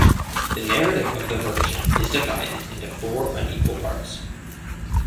The narrative of the version is divided into four unequal parts.